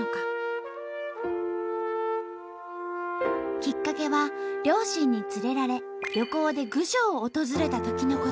きっかけは両親に連れられ旅行で郡上を訪れたときのこと。